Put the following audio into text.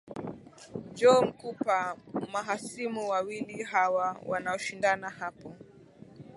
joe mkupa mahasimu wawili hawa wanaoshindana hapo